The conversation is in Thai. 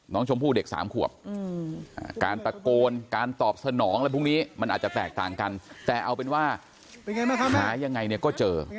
น้องชมพู่เด็ก๓ขวบการตะโกนการตอบสนองอะไรพวกนี้มันอาจจะแตกต่างกันแต่เอาเป็นว่าหายังไงเนี่ยก็เจอ